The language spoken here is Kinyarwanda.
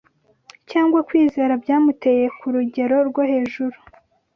cyangwa kwizera byamuteye Kurugero rwo hejuru